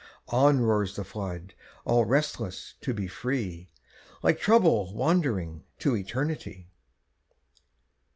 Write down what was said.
On roars the flood, all restless to be free, Like Trouble wandering to Eternity.